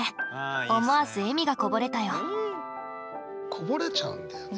こぼれちゃうんだよね。